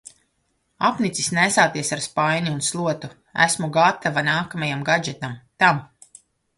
Apnicis nēsāties ar spaini un slotu. Esmu gatava nākamajam gadžetam - tam.